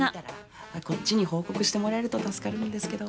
こっちに報告してもらえると助かるんですけど。